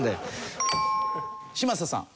嶋佐さん。